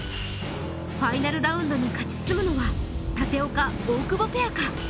ファイナルラウンドに勝ち進むのは舘岡・大久保ペアか？